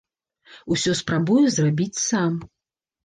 Усё спрабуе зрабіць сам.